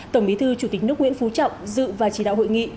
tổng bí thư chủ tịch nước nguyễn phú trọng dự và chỉ đạo hội nghị